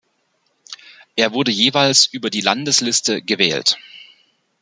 Er wurde jeweils über die Landesliste gewählt.